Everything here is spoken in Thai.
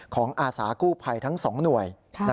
อาสากู้ภัยทั้ง๒หน่วย